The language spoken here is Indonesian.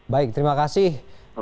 baik terima kasih